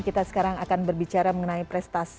kita sekarang akan berbicara mengenai prestasi para atlet